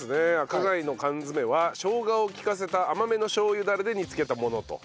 赤貝の缶詰はしょうがを利かせた甘めのしょう油だれで煮つけたものと。